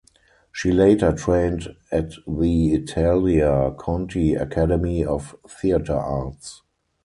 She later trained at the Italia Conti Academy of Theatre Arts.